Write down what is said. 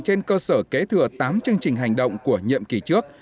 trên cơ sở kế thừa tám chương trình hành động của nhiệm kỳ trước